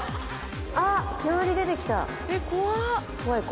あっ、煙出てきた。